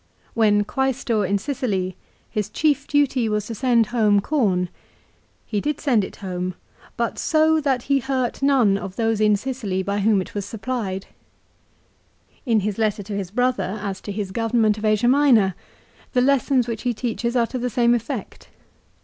When Quaestor in Sicily his chief duty was to send home corn. He did send it home, but so, that he hurt none of those in Sicily CICERO'S RELIGION. 403 by whom it was supplied. In his letter to his "brother as to his government of Asia Minor the lessons which he teaches are to the same effect.